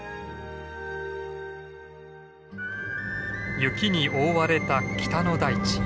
雪に覆われた北の大地。